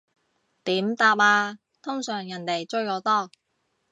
點答啊，通常人哋追我多